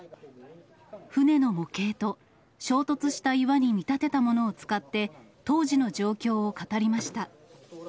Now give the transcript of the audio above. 船の模型と、衝突した岩に見立てたものを使って、当時の状況を語りました。